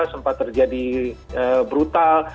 sempat terjadi brutal